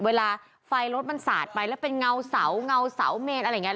เวลาไฟรถมันสาดไปแล้วเป็นเงาเสาเงาเสาเมนอะไรอย่างนี้